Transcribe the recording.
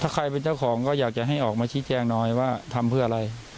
ใครเป็นเจ้าของก็อยากจะให้ออกมาชี้แจงหน่อยว่าทำเพื่ออะไร